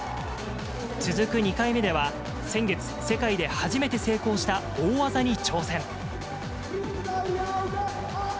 続く２回目では先月、世界で初めて成功した大技に挑戦。